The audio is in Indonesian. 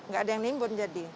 gak ada yang ninggun jadi